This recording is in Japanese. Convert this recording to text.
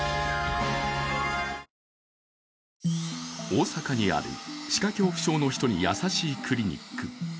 大阪にある歯科恐怖症の人に優しいクリニック。